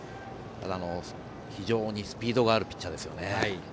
非常にスピードがあるピッチャーですよね。